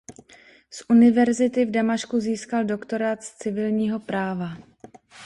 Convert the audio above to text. Z Univerzity v Damašku získal doktorát z civilního práva.